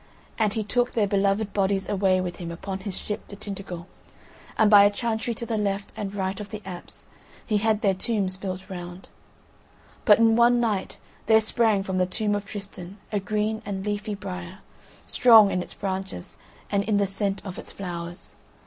And he took their beloved bodies away with him upon his ship to Tintagel, and by a chantry to the left and right of the apse he had their tombs built round. But in one night there sprang from the tomb of Tristan a green and leafy briar, strong in its branches and in the scent of its flowers.